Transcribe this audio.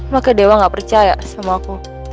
maka dewa gak percaya sama aku